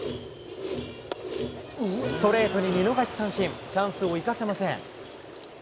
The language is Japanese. ストレートに見逃し三振、チャンスを生かせません。